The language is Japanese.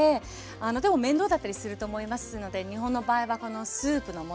でも面倒だったりすると思いますので日本の場合はスープの素でして下さい。